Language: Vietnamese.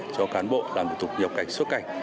cho cán bộ làm thủ tục nhập cảnh xuất cảnh